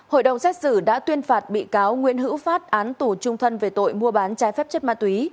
hội đồng xét xử đã tuyên phạt bị cáo nguyễn hữu phát án tù trung thân về tội mua bán trái phép chất ma túy